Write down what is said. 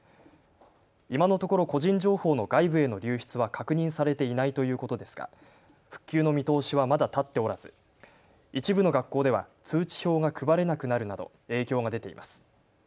今のところ個人情報の外部への流失は確認されていないということですか復旧の見通しはまだ立っておらず一部の学校では通知表が配れなくなるなど影響が出ています。